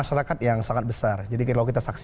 jangan itu dipresetkan